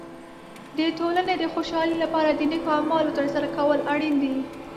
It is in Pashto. د ټولنې د خوشحالۍ لپاره د نیکو اعمالو تر سره کول اړین دي.